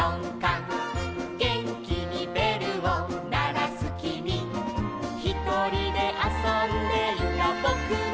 「げんきにべるをならすきみ」「ひとりであそんでいたぼくは」